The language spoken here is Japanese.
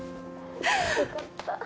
よかった。